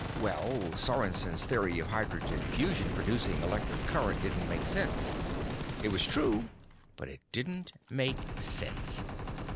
"Well, Sorensen's theory of hydrogen fusion producing electric current didn't make sense. It was true, but it didn't make sense.